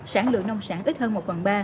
sản lượng nông sản ít hơn một phần ba